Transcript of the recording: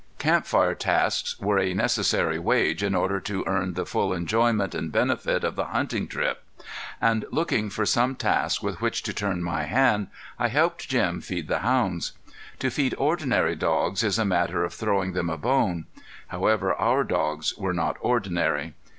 Camp fire tasks were a necessary wage in order to earn the full enjoyment and benefit of the hunting trip; and looking for some task with which to turn my hand, I helped Jim feed the hounds. To feed ordinary dogs is a matter of throwing them a bone; however, our dogs were not ordinary.